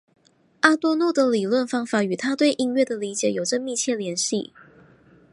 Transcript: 阿多诺的理论方法与他对音乐的理解有着密切联系。